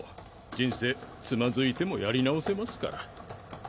人生躓いてもやり直せますから。